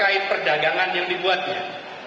terkait perdagangan yang dibuatnya